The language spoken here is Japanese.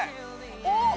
おっ！